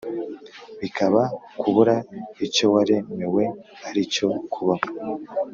bikaba kubura icyowaremewe : ari cyo kubaho.